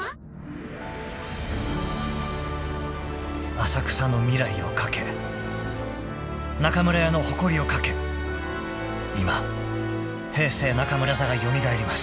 ［浅草の未来を懸け中村屋の誇りを懸け今平成中村座が蘇ります］